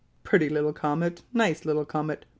"Pretty little comet! nice little comet!"